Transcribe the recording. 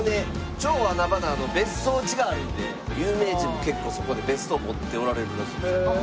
超穴場な別荘地があるので有名人も結構そこに別荘持っておられるらしいですよ。